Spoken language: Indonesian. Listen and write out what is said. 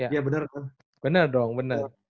iya bener kan bener dong bener